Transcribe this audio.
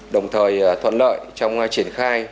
đồng thời thuận lợi trong triển khai